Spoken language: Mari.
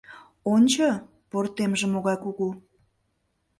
Ончо, пӧртемже могай кугу.